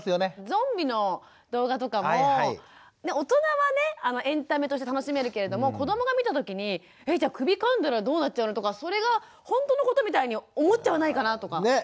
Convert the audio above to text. ゾンビの動画とかも大人はねエンタメとして楽しめるけれども子どもが見た時にえじゃあ首かんだらどうなっちゃうのとかそれがほんとのことみたいに思っちゃわないかなとか。ね！